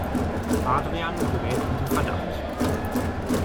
Adrian gerät unter Verdacht.